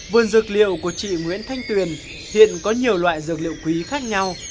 vườn dược liệu của chị nguyễn thanh tuyền hiện có nhiều loại dược liệu quý khác nhau